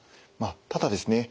ただですね